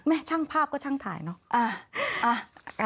ช่างภาพก็ช่างถ่ายเนอะ